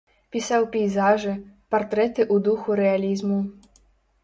Пісаў пейзажы, партрэты ў духу рэалізму.